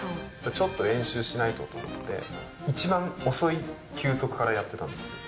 ちょっと練習しないとと思って、一番遅い球速からやってたんですけど。